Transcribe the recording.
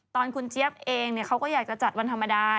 ตอนคุณเจี๊ยบเองเขาก็อยากจะจัดวันธรรมดา